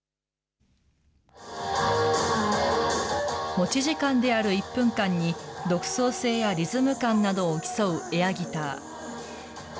持ち時間である１分間に、独創性やリズム感などを競うエアギター。